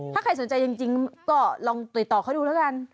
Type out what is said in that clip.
ถ้าใครสนใจจริงก็ลองติดต่อเขาดูแล้วกัน